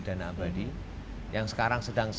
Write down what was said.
dana abadi yang sekarang